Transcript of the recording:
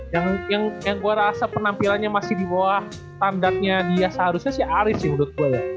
yang gue rasa penampilannya masih di bawah standarnya dia seharusnya sih aris sih menurut gue